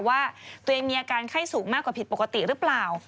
ว่าตัวเองมีอาการไข้สูงมากกว่าผิดปกติหรือเปล่า